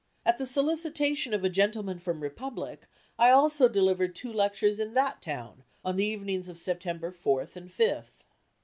At the solicitation of a gentleman from Republic, I also delivered two lectures in that town on the evenings of September 4th and 5th.